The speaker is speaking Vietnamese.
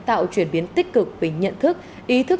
tạo chuyển biến tích cực về nhận thức ý thức